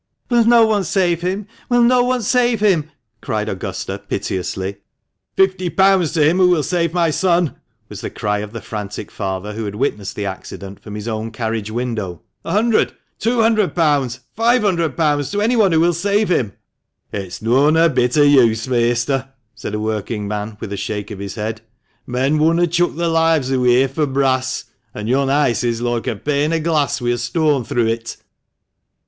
"Will no one save him? Will no one save him?" cried Augusta, piteously. 276 THE MANCHESTER MAN. " Fifty pounds to him who will save my son !" was the cry of the frantic father, who had witnessed the accident from his own carnage window. " A hundred !— two hundred pounds !— five hundred pounds to anyone who will save him !"" It's noan a bit o' use, measter," said a working man, with a shake of his head. " Men wunna chuck their lives aweay fur brass ; an' yon ice is loike a pane o1 glass wi' a stone through it."